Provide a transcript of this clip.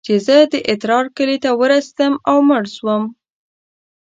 چې زه د اترار کلي ته ورسېدم او مړ سوم.